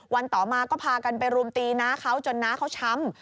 ต่อมาก็พากันไปรุมตีน้าเขาจนน้าเขาช้ำ